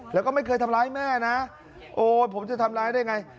แล้วก็ไม่เคยทำร้ายแม่นะโอ้ยผมจะทำร้ายได้ไง